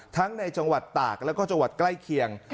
ในจังหวัดตากแล้วก็จังหวัดใกล้เคียง